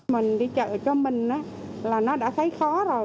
mình đi chợ cho mình là nó đã thấy khó rồi